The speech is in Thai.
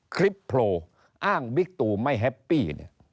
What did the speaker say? คลิปโพรอ้างบิ๊กตู่ไม่แฮปปี